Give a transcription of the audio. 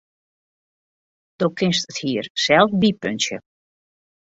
Do kinst it hier sels bypuntsje.